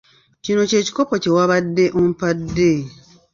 Kino kye kikopo kye wabadde ompadde.